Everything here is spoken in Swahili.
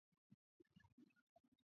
Usikate tamaa kabla auja kufa